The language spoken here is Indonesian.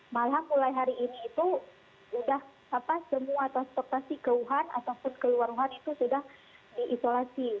malah mulai hari ini itu sudah semua transportasi ke wuhan ataupun ke luar wuhan itu sudah diisolasi